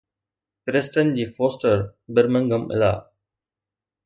Preston جي Foster Birmingham الا